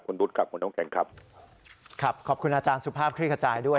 คุณบุ๊คครับคุณน้ำแข็งครับครับขอบคุณอาจารย์สุภาพคลิกระจายด้วย